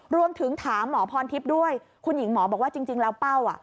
รวมถึงถามหมอพรทิพย์ด้วยคุณหญิงหมอบอกว่าจริงแล้วเป้าอ่ะ